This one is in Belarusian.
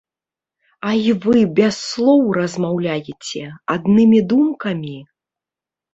А й вы без слоў размаўляеце, аднымі думкамі?